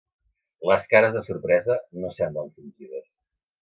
Les cares de sorpresa no semblen fingides.